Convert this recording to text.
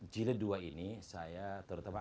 jilid dua ini saya terutama